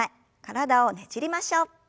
体をねじりましょう。